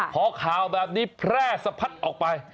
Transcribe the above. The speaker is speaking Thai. พอข่าวแบบนี้แพร่สะพัดออกไป